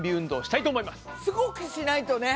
すごくしないとね！